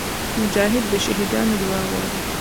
مجاهد د شهیدانو دعا غواړي.